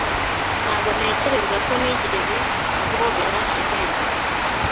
Ntabwo ntekereza ko nigeze guhobera Jivency.